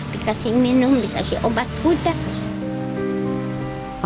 dikasih minum dikasih obat kuda